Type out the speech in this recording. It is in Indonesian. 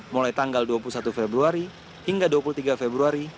mulai tanggal dua puluh satu februari hingga dua puluh tiga februari